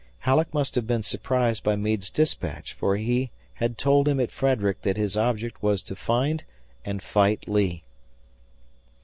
Halleck must have been surprised by Meade's dispatch, for he had told him at Frederick that his object was to find and fight Lee.